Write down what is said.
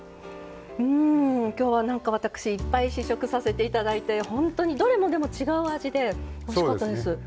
今日は、私いっぱい試食させていただいて本当に、どれも違う味でおいしかったです。